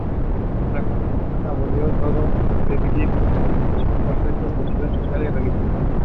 Illustrated Books